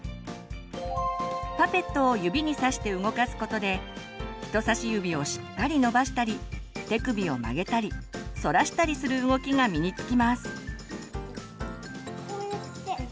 パペットを指にさして動かすことで人さし指をしっかり伸ばしたり手首を曲げたりそらしたりする動きが身に付きます。